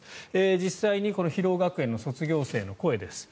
実際の広尾学園の卒業生の声です。